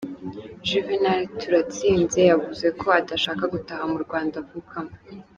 Juvénal Turantsize yavuze ko adashaka gutaha mu Rwanda avukamo.